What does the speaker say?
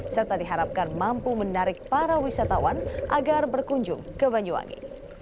serta diharapkan mampu menarik para wisatawan agar berkunjung ke banyuwangi